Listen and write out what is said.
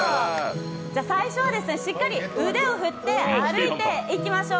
最初はしっかり腕を振って歩いていきましょう。